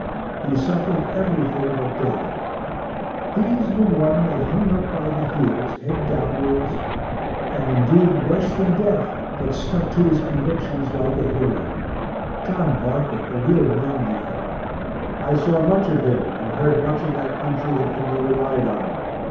He suffered everything but death he is [the] one they hung up by the heels, head downwards and indeed worse than death, but stuck to his convictions like a hero John Barker, a real manly fellow; I saw much of him and heard much of that country that can be relied on.